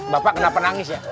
bapak kenapa nangis ya